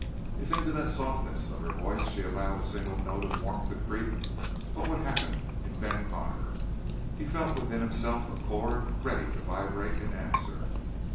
If into the softness of her voice she allowed a single note of warmth to creep, what would happen in Ben Connor? He felt within himself a chord ready to vibrate in answer.